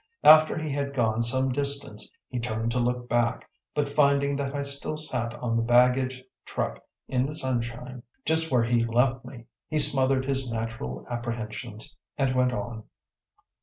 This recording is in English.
After he had gone some distance he turned to look back, but finding that I still sat on the baggage truck in the sunshine, just where he left me, he smothered his natural apprehensions, and went on.